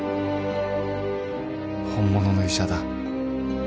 本物の医者だ